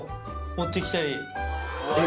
持ってきたり。